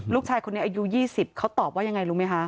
ลูกชายคนนี้อายุ๒๐เขาตอบว่ายังไงรู้ไหมคะ